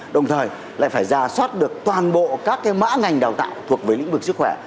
đồng thời lại phải ra soát được toàn bộ các cái mã ngành đào tạo thuộc về lĩnh vực sức khỏe